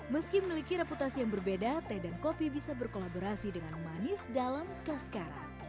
meski memiliki reputasi yang berbeda teh dan kopi bisa berkolaborasi dengan manis dalam kaskara